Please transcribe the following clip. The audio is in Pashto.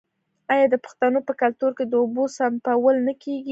آیا د پښتنو په کلتور کې د اوبو سپمول نه کیږي؟